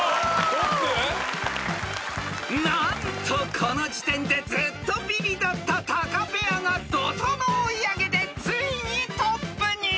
［何とこの時点でずっとビリだったタカペアが怒濤の追い上げでついにトップに！］